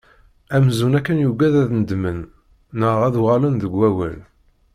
Amzun akken yuggad ad nedmen, neɣ ad uɣalen deg wawal.